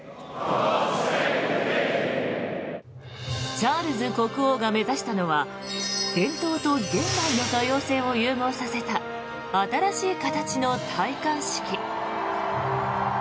チャールズ国王が目指したのは伝統と現代の多様性を融合させた新しい形の戴冠式。